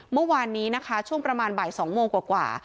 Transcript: เมื่อวานนี้นะคะช่วงประมาณบ่าย๒โมงกว่า